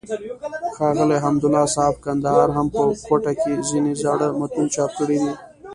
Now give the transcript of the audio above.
ښاغلي حمدالله صحاف کندهاري هم په کوټه کښي ځينې زاړه متون چاپ کړي دي.